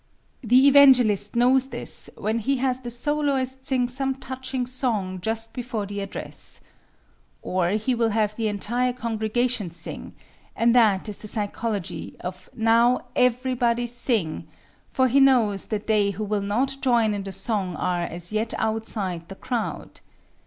The evangelist knows this when he has the soloist sing some touching song just before the address. Or he will have the entire congregation sing, and that is the psychology of "Now _every_body sing!" for he knows that they who will not join in the song are as yet outside the crowd.